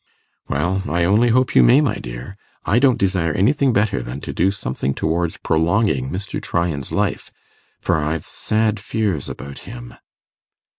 'Well, I only hope you may, my dear. I don't desire anything better than to do something towards prolonging Mr. Tryan's life, for I've sad fears about him.